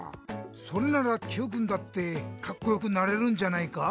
それならＱくんだってカッコよくなれるんじゃないか？